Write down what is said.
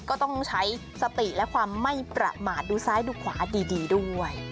ก็ต้องใช้สติและความไม่ประมาทดูซ้ายดูขวาดีด้วย